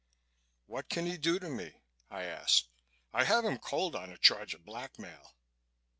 "What can he do to me?" I asked. "I have him cold on a charge of blackmail."